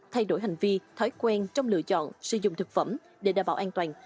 thay đổi hành vi thói quen trong lựa chọn sử dụng thực phẩm để đảm bảo an toàn